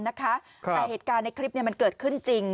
แต่เหตุการณ์ในคลิปมันเกิดขึ้นจริง